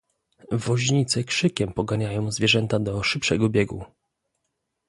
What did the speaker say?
"Woźnice krzykiem poganiają zwierzęta do szybszego biegu."